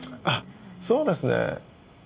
あっそうですね。